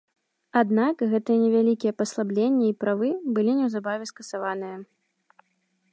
Аднак, гэтыя невялікія паслабленні і правы былі неўзабаве скасаваныя.